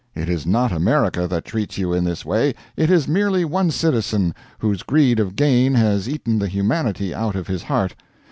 It is not America that treats you in this way, it is merely one citizen, whose greed of gain has eaten the humanity out of his heart.